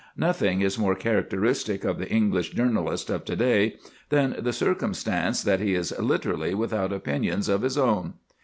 Nothing is more characteristic of the English journalist of to day than the circumstance that he is literally without opinions of his own.